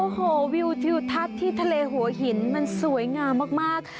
โอ้โหวิวทิวทัศน์ที่ทะเลหัวหินมันสวยงามมาก